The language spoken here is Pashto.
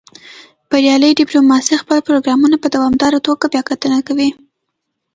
بریالۍ ډیپلوماسي خپل پروګرامونه په دوامداره توګه بیاکتنه کوي